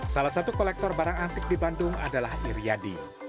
salah satu kolektor barang antik di bandung adalah iryadi